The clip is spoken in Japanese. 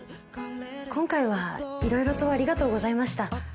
今回は色々とありがとうございました。